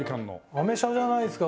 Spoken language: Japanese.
アメ車じゃないですか